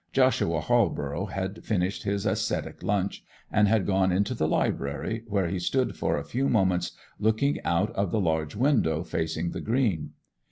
Joshua Halborough had finished his ascetic lunch, and had gone into the library, where he stood for a few moments looking out of the large window facing the green.